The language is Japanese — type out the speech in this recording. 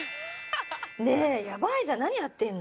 ねえやばいじゃん！